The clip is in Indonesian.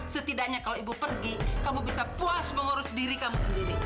setidaknya kalau ibu pergi kamu bisa puas mengurus diri kamu sendiri